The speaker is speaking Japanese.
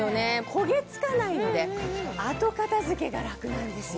焦げ付かないので後片付けが楽なんですよ。